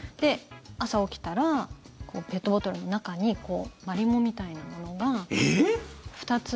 朝、起きたらペットボトルの中にマリモみたいなものが２つ。